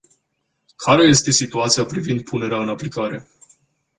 Care este situația privind punerea în aplicare?